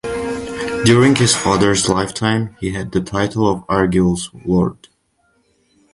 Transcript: During his father’s lifetime, he had the title of Arguel’s Lord.